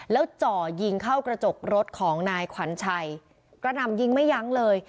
แล้วจ่อยิงเข้ากระจกรถของนายขวัญชัยกระหน่ำยิงไม่ยั้งเลย